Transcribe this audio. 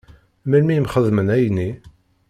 Melmi i m-xedmen ayenni?